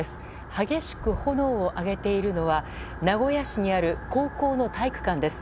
激しく炎を上げているのは名古屋市にある高校の体育館です。